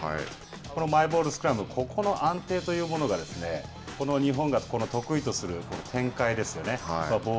このマイボールスクラムここの安定というものがですね、日本が得意とする展開ですよね。